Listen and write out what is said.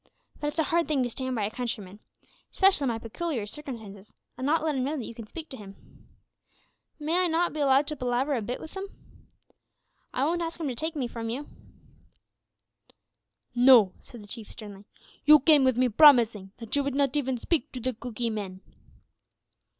But it's a hard thing to stand by a countryman, specially in my pecooliar circumstances, an' not let him know that you can speak to him. May I not be allowed to palaver a bit with 'em? I wont ask 'em to take me from you." "No," said the Chief sternly. "You came with me promising that you would not even speak to the Cookee men."